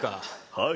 はい。